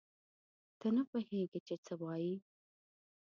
ته نه پوهېږې چې څه وایې.